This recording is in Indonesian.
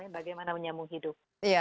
bagaimana menyamung hidup